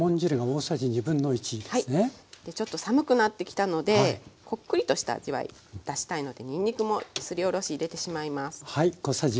ちょっと寒くなってきたのでこっくりとした味わい出したいのでにんにくもすりおろし入れてしまいます。